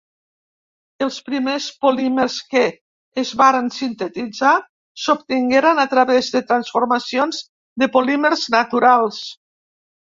Els primers polímers que es varen sintetitzar s'obtingueren a través de transformacions de polímers naturals.